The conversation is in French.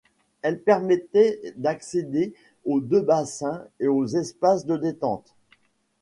Elle permettait d'accéder aux deux bassins et aux espaces de détente.